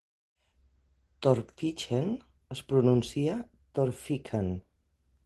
Torphichen, es pronuncia "Tor-fikken".